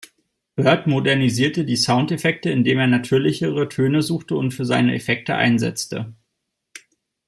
Burtt modernisierte die Soundeffekte, indem er „natürlichere“ Töne suchte und für seine Effekte einsetzte.